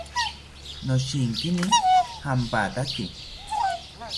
Noshinkini jampataki